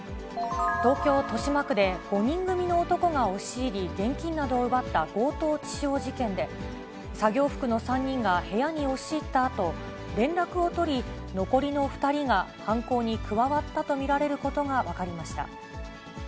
東京・豊島区で、５人組の男が押し入り、現金などを奪った強盗致傷事件で、作業服の３人が部屋に押し入ったあと連絡を取り、残りの２人が犯行に加わったと見られることが分かりました。